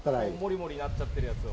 モリモリなっちゃってるやつを。